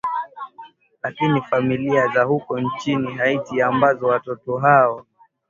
lakini familia za huko nchini haiti ambazo watoto hao